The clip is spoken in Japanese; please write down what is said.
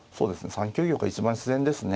３九玉が一番自然ですね。